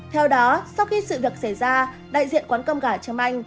theo đó sau khi sự việc xảy ra đại diện quán cơm gà trâm anh